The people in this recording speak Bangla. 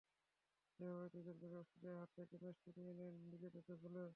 এভাবেই দুজনে মিলে অস্ট্রেলিয়ার হাত থেকে ম্যাচটি নিয়ে নেন নিজেদের দখলে।